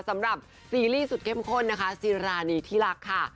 สำหรับซีรีส์สุดเข้มข้นนะคะซีรานีที่รักค่ะ